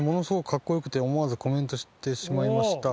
かっこよくて、思わずコメントしてしまいました。